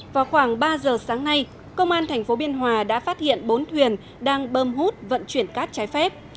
vào khoảng ba giờ sáng nay công an tp biên hòa đã phát hiện bốn thuyền đang bơm hút vận chuyển cát trái phép